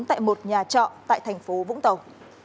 tại một nhà trọ tại thành phố vũng tàu